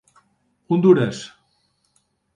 Hondures.